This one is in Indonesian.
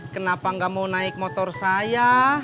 kenapa nggak mau naik motor saya